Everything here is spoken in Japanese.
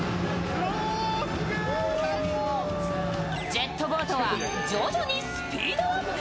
ジェットボートは徐々にスピードアップ。